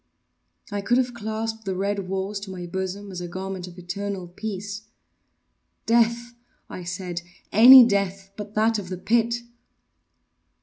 I could have clasped the red walls to my bosom as a garment of eternal peace. “Death,” I said, “any death but that of the pit!